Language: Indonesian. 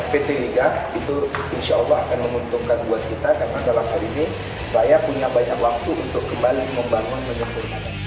pt liga itu insya allah akan menguntungkan buat kita karena dalam hari ini saya punya banyak waktu untuk kembali membangun menyempurna